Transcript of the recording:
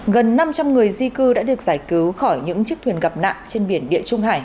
gần năm trăm linh người di cư đã được giải cứu khỏi những chiếc thuyền gặp nạn trên biển địa trung hải